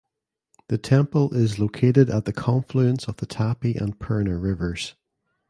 The temple is located at the confluence of the Tapi and Purna rivers.